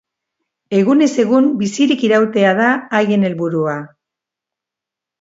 Egunez egun bizirik irautea da haien helburua.